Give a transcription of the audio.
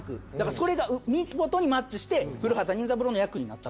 それが見事にマッチして古畑任三郎の役になった。